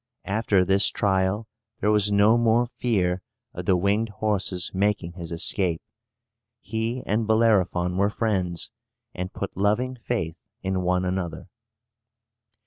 After this trial there was no more fear of the winged horse's making his escape. He and Bellerophon were friends, and put loving faith in one another.